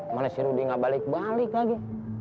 mana si rudy gak balik balik lagi